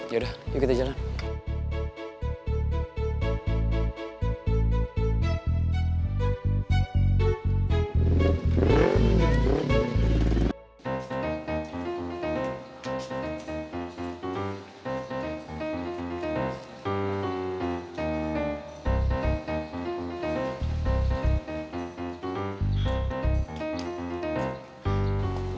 yaudah yuk kita jalan